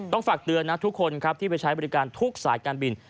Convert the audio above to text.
ฝากเตือนนะทุกคนครับที่ไปใช้บริการทุกสายการบิน